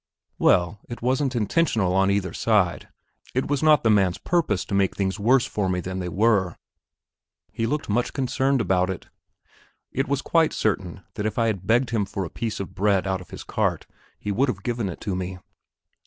Well, it wasn't intentional on either side; it was not the man's purpose to make things worse for me than they were; he looked much concerned about it. It was quite certain that if I had begged him for a piece of bread out of his cart he would have given it to me.